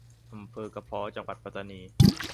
อำเภอกะพ้อ จังหวัดปัตตานี